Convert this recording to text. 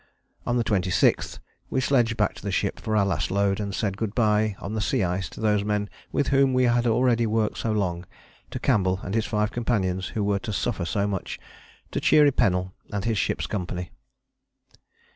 On the 26th we sledged back to the ship for our last load, and said good bye on the sea ice to those men with whom we had already worked so long, to Campbell and his five companions who were to suffer so much, to cheery Pennell and his ship's company.